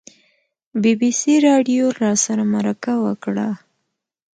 بي بي سي راډیو راسره مرکه وکړه.